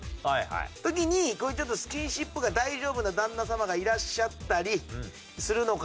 時にこういうちょっとスキンシップが大丈夫な旦那さまがいらっしゃったりするのかな３人ぐらい。